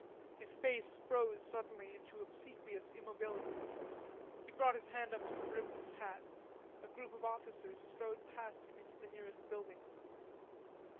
His face froze suddenly into obsequious immobility. He brought his hand up to the brim of his hat. A group of officers strode past him into the nearest building.